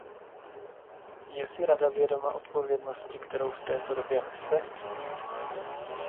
Je si Rada vědoma odpovědnosti, kterou v této době nese?